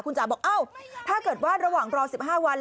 จ๋าบอกเอ้าถ้าเกิดว่าระหว่างรอ๑๕วัน